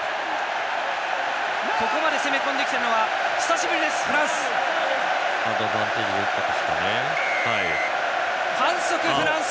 ここまで攻め込んできたのは久々のフランス。